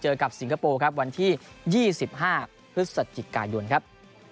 กับสิงคโปร์ครับวันที่๒๕พฤศจิกายนครับ